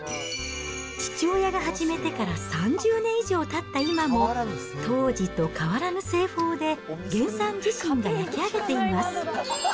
父親が始めてから３０年以上たった今も、当時と変わらぬ製法で、げんさん自身が焼き上げています。